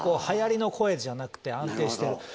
はやりの声じゃなくて安定してる。